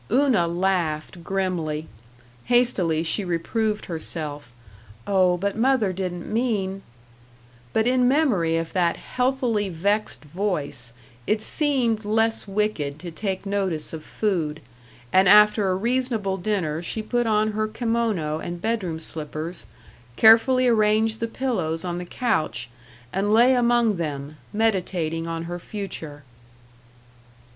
Una laughed grimly. Hastily she reproved herself, "Oh, but mother didn't mean " But in memory of that healthily vexed voice, it seemed less wicked to take notice of food, and after a reasonable dinner she put on her kimono and bedroom slippers, carefully arranged the pillows on the couch, and lay among them, meditating on her future.